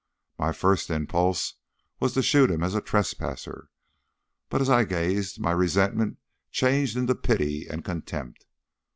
My first impulse was to shoot him as a trespasser, but, as I gazed, my resentment changed into pity and contempt.